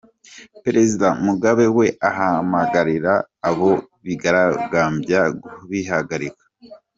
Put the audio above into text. Perezida Mugabe we ahamagarira abo bigaragambya kubihagarika.